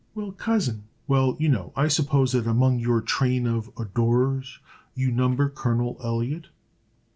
"Well, cousin " "Well, you know, I suppose, that among your train of adorers you number Colonel Elliot?"